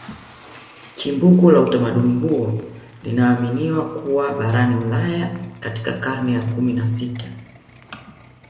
Chimbuko la utamaduni huo linaaminiwa kuwa barani Ulaya katika karne ya kumi na sita